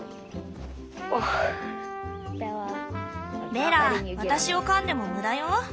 ベラ私を噛んでもムダよ。